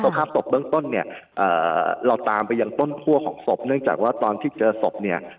ภาพศพเบื้องต้นเนี่ยเราตามไปยังต้นคั่วของศพเนื่องจากว่าตอนที่เจอศพเนี่ย